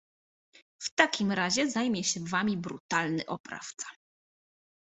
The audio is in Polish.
W takim razie zajmie się wami brutalny oprawca.